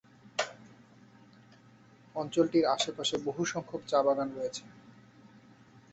অঞ্চলটির আশেপাশে বহুসংখ্যক চা-বাগান রয়েছে।